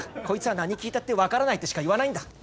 こいつは何聞いたって「わからない」ってしか言わないんだ。